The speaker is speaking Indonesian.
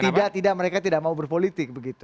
tidak tidak mereka tidak mau berpolitik begitu